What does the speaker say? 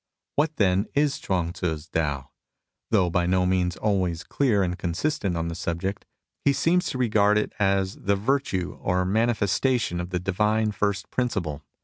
* What, then, is Chuang Tzu's Tao ? Though by no means always clear and consistent on the subject, he seems to regard it as the " Virtue " or mani festation of the divine First Principle.